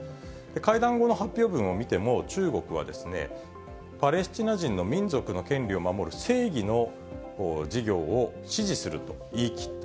会談後の発表文を見ても、中国は、パレスチナ人の民族の権利を守る正義の事業を支持すると言い切った。